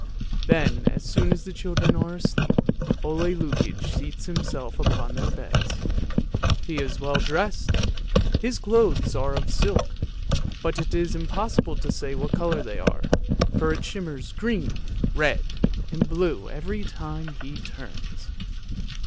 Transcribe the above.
Then as soon as the children are asleep, Ole Lukoie seats himself upon their beds. He is well dressed; his clothes are all of silk, but it is impossible to say what colour they are, for it shimmers green, red, and blue every time he turns.